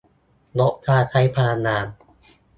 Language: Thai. - ลดการใช้พลังงาน